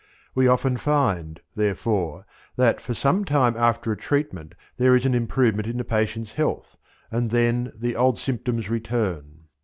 We often find, therefore, that for some time after a treatment there is an improvement in the patient's health, and then the old symptoms return.